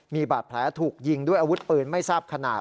มีบาดแผลถูกยิงด้วยอาวุธปืนไม่ทราบขนาด